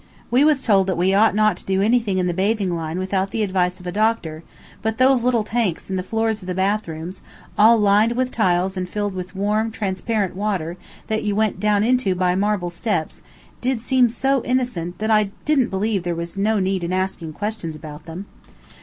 We was told that we ought not to do anything in the bathing line without the advice of a doctor; but those little tanks in the floors of the bathrooms, all lined with tiles and filled with warm, transparent water, that you went down into by marble steps, did seem so innocent, that I didn't believe there was no need in asking questions about them.